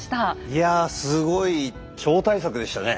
いやすごい超大作でしたね。